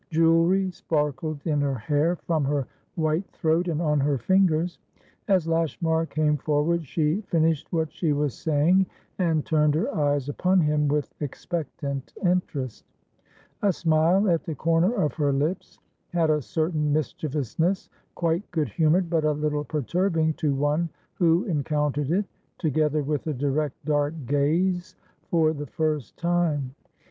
Jewelry sparkled in her hair, from her white throat, and on her fingers. As Lashmar came forward, she finished what she was saying, and turned her eyes upon him with expectant interest; a smile at the corner of her lips had a certain mischievousness, quite good humoured but a little perturbing to one who encountered it, together with the direct dark gaze, for the first time.